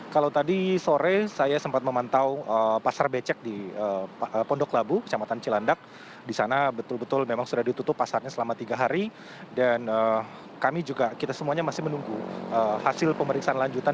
kalau tadi sore saya sempat memantau pasar becek di pondok labu kecamatan cilandak di sana betul betul memang sudah ditutup pasarnya selama tiga hari dan kami juga kita semuanya masih menunggu hasil pemeriksaan lanjutan